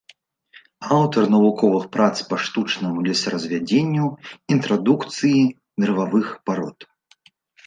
Аўтар навуковых прац па штучнаму лесаразвядзенню, інтрадукцыі дрэвавых парод.